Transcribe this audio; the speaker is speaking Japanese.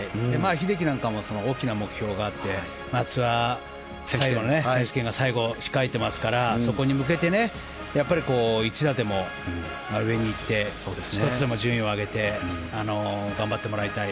英樹なんかも大きな目標があって夏は、選手権が最後控えていますからそこに向けて一打でも上に行って１つでも順位を上に上げて頑張ってもらいたい。